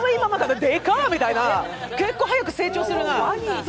結構早く成長するな！